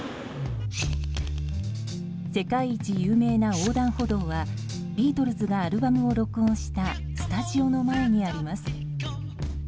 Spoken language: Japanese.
世界一有名な横断歩道はビートルズがアルバムを録音したスタジオの前にあります。